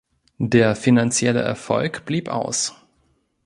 Der finanzielle Erfolg blieb aus.